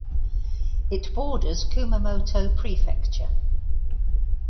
It borders Kumamoto Prefecture.